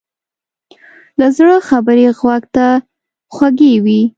له زړه خبرې غوږ ته خوږې وي.